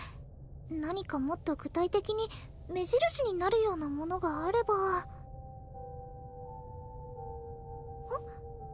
何かもっと具体的に目印になるようなものがあればはっ？